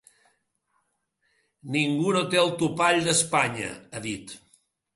Ningú no té el topall d’Espanya, ha dit.